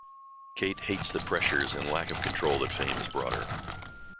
Kate hates the pressures and lack of control that fame has brought her.